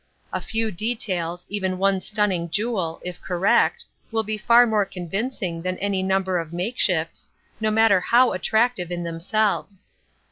A few details, even one stunning jewel, if correct, will be far more convincing than any number of makeshifts, no matter how attractive in themselves.